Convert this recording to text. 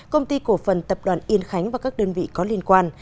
công ty cổ phần tập đoàn yên khánh và các đơn vị có liên quan